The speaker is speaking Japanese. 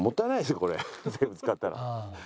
これ全部使ったら。